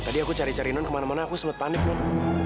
tadi aku cari cari non kemana mana aku sempat panik non